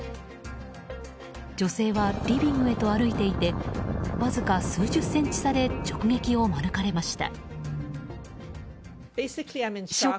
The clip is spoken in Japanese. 女性はリビングへと歩いていてわずか数十センチ差で直撃を免れました。